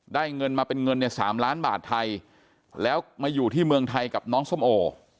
เงินมาเป็นเงินเนี่ย๓ล้านบาทไทยแล้วมาอยู่ที่เมืองไทยกับน้องส้มโอ